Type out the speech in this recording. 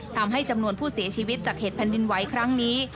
ทำให้จำนวนผู้เสียชีวิตจากเหตุแผ่นดินไหวครั้งนี้